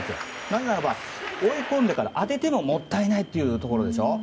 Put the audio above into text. なぜならば、追い込んでから当ててももったいないというとこでしょう。